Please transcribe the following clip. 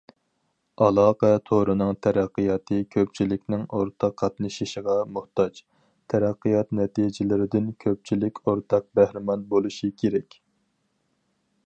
ئالاقە تورىنىڭ تەرەققىياتى كۆپچىلىكنىڭ ئورتاق قاتنىشىشىغا موھتاج، تەرەققىيات نەتىجىلىرىدىن كۆپچىلىك ئورتاق بەھرىمەن بولۇشى كېرەك.